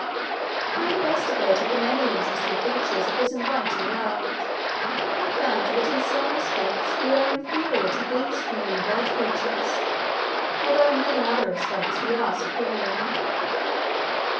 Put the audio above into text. I investigated the many interesting features of this inviting world and found that in some respects we are inferior to these human bird creatures, although in many other respects we are superior.